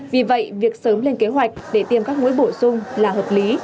vì vậy việc sớm lên kế hoạch để tiêm các mũi bổ sung là hợp lý